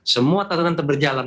semua tata tata berjalan